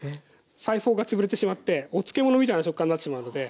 細胞が潰れてしまってお漬物みたいな食感になってしまうので。